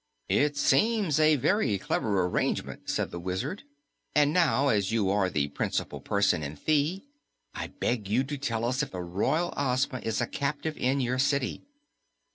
"It seems a very clever arrangement," said the Wizard. "And now, as you are the principal person in Thi, I beg you to tell us if the Royal Ozma is a captive in your city."